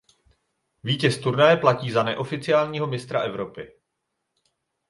Vítěz turnaje platí za neoficiálního mistra Evropy.